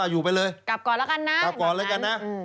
อยู่ไปเลยกลับก่อนแล้วกันนะ